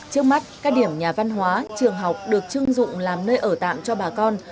trước mắt các điểm nhà văn hóa trường học được chưng dụng làm nơi ở tạm cho bà con